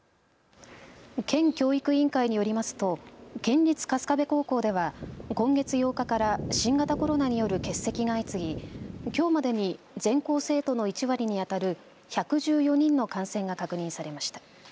県教育委員会によりますと県立春日部高校では今月８日から新型コロナによる欠席が相次ぎきょうまでに全校生徒の１割にあたる１１４人の感染が確認されました。